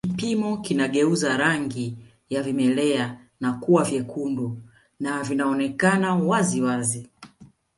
Kipimo kinageuza rangi ya vimelea na kuwa vyekundu na vinaonekana wazi wazi